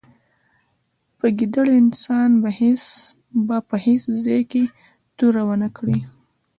په ګیدړ انسان به په هېڅ ځای کې توره و نه کړې.